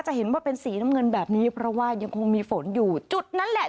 เห็นว่าเป็นสีน้ำเงินแบบนี้เพราะว่ายังคงมีฝนอยู่จุดนั้นแหละ